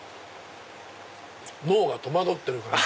脳が戸惑ってる感じ。